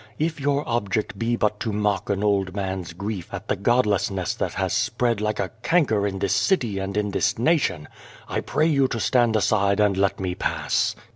If your 248 Without a Child object be but to mock an old man's grief at the godlessness that has spread like a canker in this city and in this nation, I pray you to stand aside and let me pass."